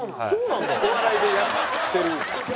お笑いでやってる。